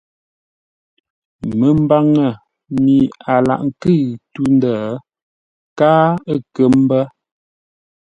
Məmbaŋə mi a laghʼ nkʉ̂ʉ tû-ndə̂ káa ə̂ kə́ mbə̂.